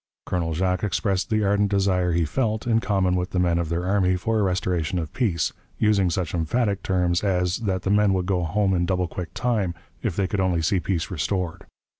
Colonel Jacques expressed the ardent desire he felt, in common with the men of their army, for a restoration of peace, using such emphatic terms as that the men would go home in double quick time if they could only see peace restored.